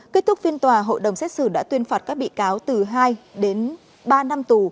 kết thúc phiên tòa hội đồng xét xử đã tuyên phạt các bị cáo từ hai đến ba năm tù